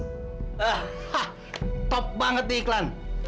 hah top banget di iklan